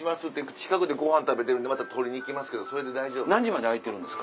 近くでごはん食べてるんでまた取りに来ますけどそれで大丈夫ですか？